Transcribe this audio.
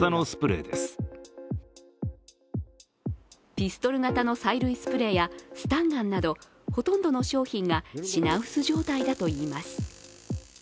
ピストル型の催涙スプレーやスタンガンなどほとんどの商品が品薄状態だといいます。